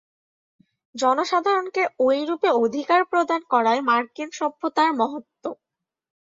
জনসাধারণকে ঐরূপে অধিকার প্রদান করাই মার্কিন সভ্যতার মহত্ত্ব।